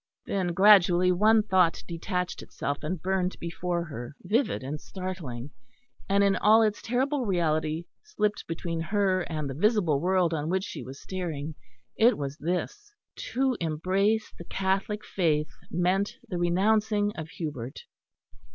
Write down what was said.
Then gradually one thought detached itself, and burned before her, vivid and startling; and in all its terrible reality slipped between her and the visible world on which she was staring. It was this: to embrace the Catholic Faith meant the renouncing of Hubert.